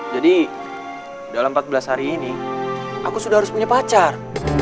jadi dalam empat belas hari ini aku sudah harus punya pacar